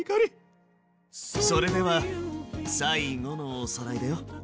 それでは最後のおさらいだよ。